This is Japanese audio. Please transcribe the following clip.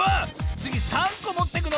つぎ３こもってくの？